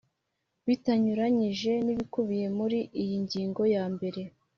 Bitanyuranyije nibikubiye muri iyi ngingo yambere